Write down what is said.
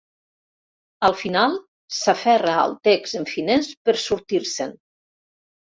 Al final s'aferra al text en finès per sortir-se'n.